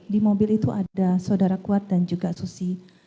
di mobil itu ada saudara kuat dan juga susi